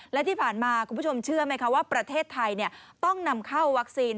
และที่ผ่านมาคุณผู้ชมเชื่อไหมคะว่าประเทศไทยต้องนำเข้าวัคซีน